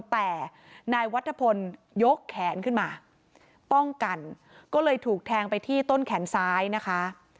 แต่นายวัฒนพลยกแขนขึ้นมาป้องกันก็เลยถูกแทงไปที่ต้นแขนซ้ายนะคะ